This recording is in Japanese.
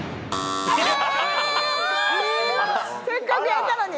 せっかくやったのに。